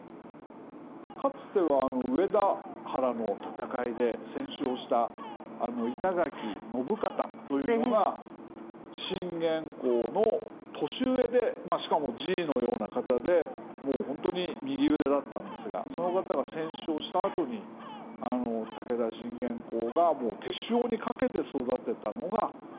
かつてはあの上田原の戦いで戦死をした板垣信方というのが信玄公の年上でしかもじいのような方でもうほんとに右腕だったんですがその方が戦死をしたあとに武田信玄公が手塩にかけて育てたのが山県三郎右兵衛。